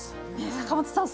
坂本さん